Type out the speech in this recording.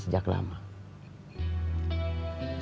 sejak lama ini